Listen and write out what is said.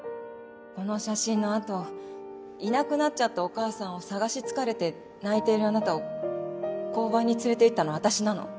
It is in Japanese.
この写真の後いなくなっちゃったお母さんを捜し疲れて泣いているあなたを交番に連れて行ったの私なの。